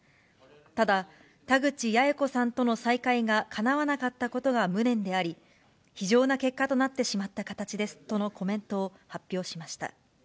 ただ、田口八重子さんとの再会がかなわなかったことが無念であり、非常な結果となってしまった形ですとのコメントを発表しました。